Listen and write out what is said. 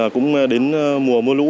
cũng đến mùa mưa lũ